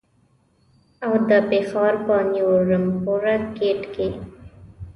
او د پېښور په نیو رمپوره ګېټ کې.